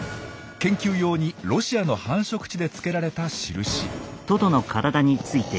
研究用にロシアの繁殖地でつけられた印。